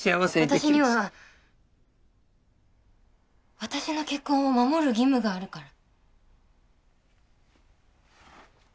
私には私の結婚を守る義務があるから。